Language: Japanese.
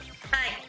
はい。